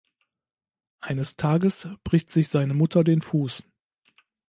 Eines Tages bricht sich seine Mutter den Fuß.